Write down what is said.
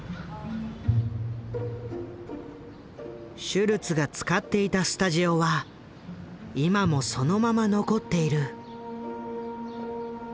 シュルツが使っていたスタジオは今もそのまま残っている。